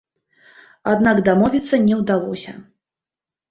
Аднак дамовіцца не ўдалося.